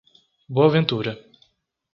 Boa Ventura